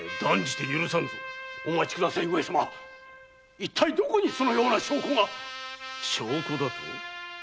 一体どこにそのような証拠が証拠だと？